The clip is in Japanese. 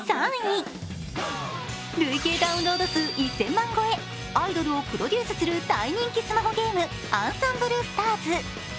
累計ダウンロード数１０００万超え、アイドルをプロデュースする大人気スマホゲーム、「あんさんぶるスターズ！！」。